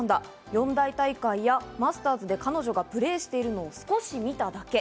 四大大会やマスターズで彼女がプレーしているのを少し見ただけ。